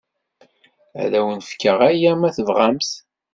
Ad awen-fkeɣ aya ma tebɣam-t.